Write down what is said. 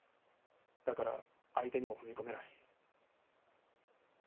だから相手にも踏み込めない。